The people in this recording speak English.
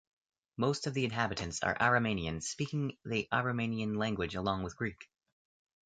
Most of the inhabitants are Aromanians, speaking the Aromanian language along with Greek.